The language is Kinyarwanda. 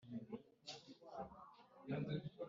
Arabahetse Impashyabwor